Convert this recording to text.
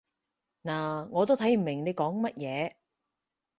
嗱，我都睇唔明你講乜嘢